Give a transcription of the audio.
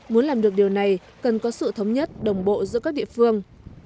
muốn làm được điều này cần có sự thống nhất đồng bộ giữa các địa phương